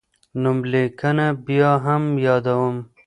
نوملیکنه بیا هم یادوم.